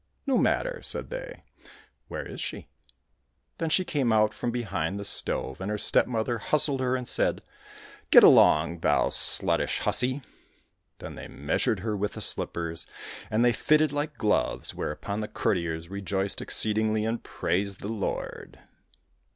—" No matter," said they ;" where is she ?"— Then she came out from behind the stove, and her stepmother hustled her and said, *' Get along, thou sluttish hussy !"— Then they measured her with the slippers, and they fitted like gloves, where upon the courtiers rejoiced exceedingly and praised the Lord.